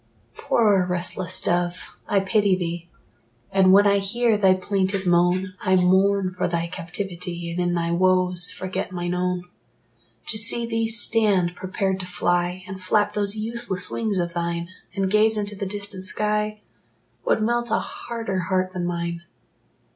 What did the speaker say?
Poor restless dove, I pity thee; And when I hear thy plaintive moan, I mourn for thy captivity, And in thy woes forget mine own. To see thee stand prepared to fly, And flap those useless wings of thine, And gaze into the distant sky, Would melt a harder heart than mine.